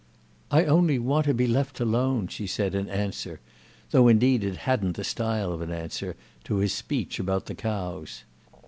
"I only want to be left alone," she said in answer—though indeed it hadn't the style of an answer—to his speech about the cows.